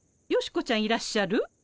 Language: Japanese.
ヨシコちゃんいらっしゃる？